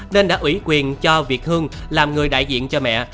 nên đã ủy quyền cho việt hương làm người đại diện cho mẹ